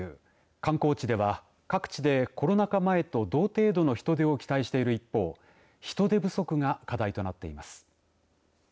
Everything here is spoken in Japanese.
観光地では各地でコロナ禍前と同程度の人出を期待している一方人手不足が課題となっています。